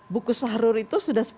buku sahroh itu sudah